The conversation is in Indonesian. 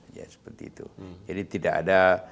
jadi tidak ada